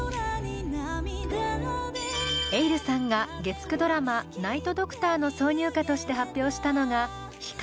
ｅｉｌｌさんが月９ドラマ「ナイト・ドクター」の挿入歌として発表したのが「ｈｉｋａｒｉ」。